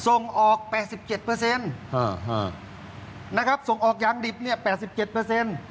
ส่งออกแปดสิบเจ็ดเปอร์เซ็นต์นะครับส่งออกยางดิบเนี่ยแปดสิบเจ็ดเปอร์เซ็นต์